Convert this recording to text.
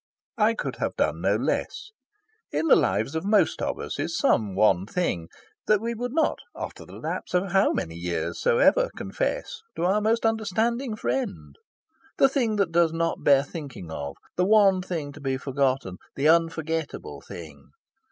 I could have done no less. In the lives of most of us is some one thing that we would not after the lapse of how many years soever confess to our most understanding friend; the thing that does not bear thinking of; the one thing to be forgotten; the unforgettable thing.